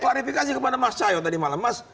klarifikasi kepada mas cahyo tadi malam mas